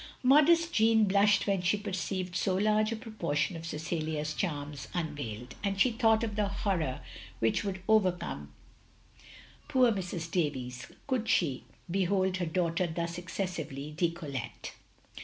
Modest Jeanne blushed when she perceived so large a proportion of Cecilia's charms unveiled; and she thought of the horror which would over come poor Mrs. Davies could she behold her daughter thus excessively d6collet6e.